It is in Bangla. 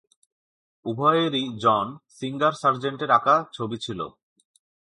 উভয়েরই জন সিঙ্গার সার্জেন্টের আঁকা ছবি ছিল।